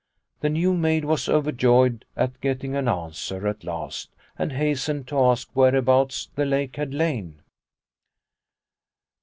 The new maid was overjoyed at getting an answer at last, and hastened to ask where abouts the lake had lain.